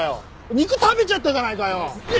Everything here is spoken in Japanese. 肉食べちゃったじゃないかよ！